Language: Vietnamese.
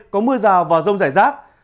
có mưa rào và rông rải rác